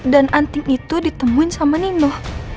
dan anting itu ditemuin sama nino